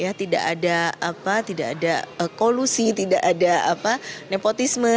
ya tidak ada apa tidak ada kolusi tidak ada nepotisme